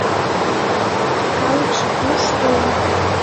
А калыкше тушто-о!